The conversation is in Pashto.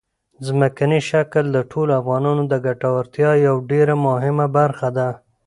ځمکنی شکل د ټولو افغانانو د ګټورتیا یوه ډېره مهمه برخه ده.